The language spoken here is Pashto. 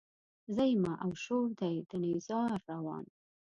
زه يمه او شور دی د نيزار روان